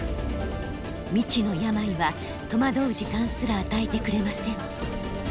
未知の病は戸惑う時間すら与えてくれません。